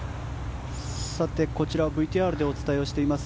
さてこちらＶＴＲでお伝えをしています